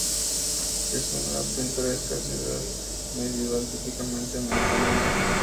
Es una pintoresca ciudad medieval, típicamente mediterránea.